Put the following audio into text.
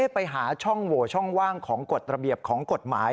ไปหาช่องโหวช่องว่างของกฎระเบียบของกฎหมาย